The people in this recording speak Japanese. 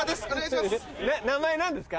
名前何ですか？